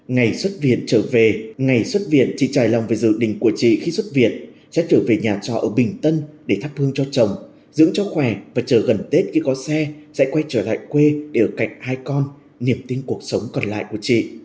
ngày xuất viện trở về ngày xuất viện chị trải lòng về dự đình của chị khi xuất viện sẽ trở về nhà trọ ở bình tân để thắp hương cho chồng dưỡng cho khỏe và chờ gần tết khi có xe sẽ quay trở lại quê để ở cạnh hai con niềm tin cuộc sống còn lại của chị